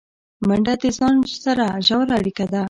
منډه د ځان سره ژوره اړیکه ده